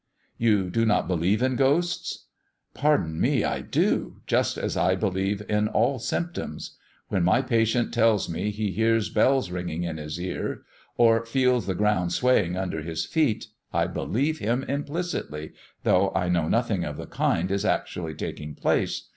"You do not believe in ghosts?" "Pardon me, I do, just as I believe in all symptoms. When my patient tells me he hears bells ringing in his ear, or feels the ground swaying under his feet, I believe him implicitly, though I know nothing of the kind is actually taking place.